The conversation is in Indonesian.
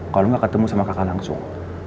kalau nggak ketemu sama kakak langsung